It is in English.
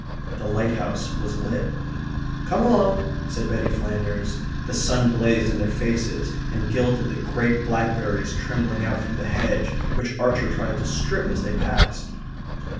The lighthouse was lit. "Come along," said Betty Flanders. The sun blazed in their faces and gilded the great blackberries trembling out from the hedge which Archer tried to strip as they passed.